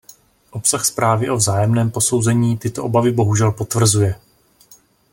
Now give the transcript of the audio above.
Obsah zprávy o vzájemném posouzení tyto obavy bohužel potvrzuje.